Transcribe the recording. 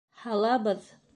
Һалабыҙ!